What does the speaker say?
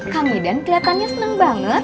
kamidan kelihatannya senang banget